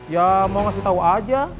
ya mau ngasih tau aja